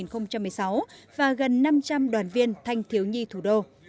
năm hai nghìn một mươi sáu và gần năm trăm linh đoàn viên thanh thiếu nhi thủ đô